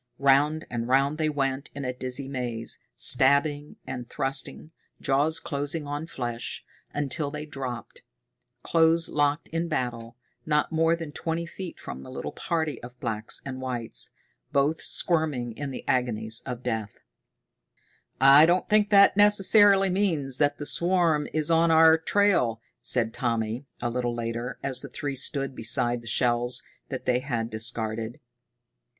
Round and round they went in a dizzy maze, stabbing and thrusting, jaws closing on flesh, until they dropped, close locked in battle, not more than twenty feet from the little party of blacks and whites, both squirming in the agonies of death. "I don't think that necessarily means that the swarm is on our trail," said Tommy, a little later, as the three stood beside the shells that they had discarded.